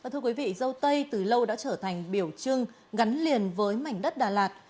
thưa quý vị dâu tây từ lâu đã trở thành biểu trưng gắn liền với mảnh đất đà lạt